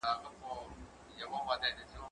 زه اوږده وخت د لوبو لپاره وخت نيسم وم؟!